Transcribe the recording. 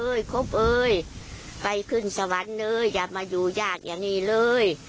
เอ้ยคุกไปขึ้นสวรรค์เลยจ้ะมาอยู่ว่างนี้เลย